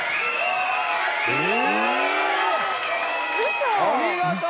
え！